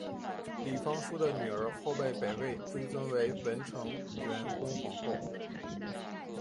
李方叔的女儿后被北魏追尊为文成元恭皇后。